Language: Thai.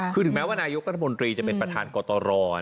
คือถึงแม้ว่านายกรัฐมนตรีจะเป็นประธานกตร